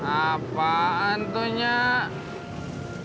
apaan tuh nyak